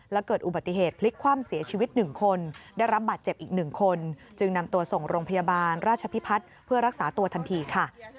และเกิดอุบัติเหตุพลิกคว่ำเสียชีวิต๑คนได้รับบาดเจ็บอีก๑คนจึงนำตัวส่งโรงพยาบาลราชพิพัฒน์เพื่อรักษาตัวทันทีค่ะ